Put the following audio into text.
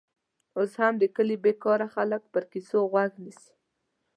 اوس هم د کلي بېکاره خلک پر کیسو غوږ نیسي.